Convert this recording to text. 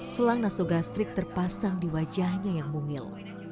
selang nasogastrik terpasang di wajahnya yang mungil